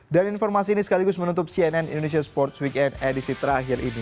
dan informasi ini sekaligus menutup cnn indonesia sports weekend edisi terakhir ini